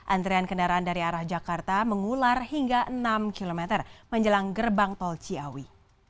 antrian kendaraan dari arah jakarta mengular hingga enam km menjelang gerbang tol ciawi